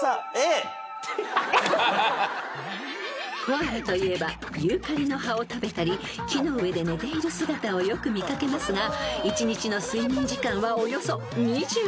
［コアラといえばユーカリの葉を食べたり木の上で寝ている姿をよく見かけますが１日の睡眠時間は］